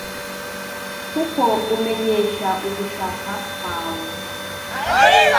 kuko umenyesha ugushaka kwawe